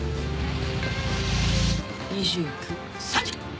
２９・３０！